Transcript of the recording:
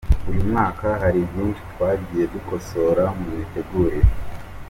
Uyu mwaka hari byinshi twagiye dukosora mu mitegurire.